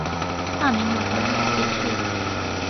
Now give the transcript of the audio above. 大明永和至此结束。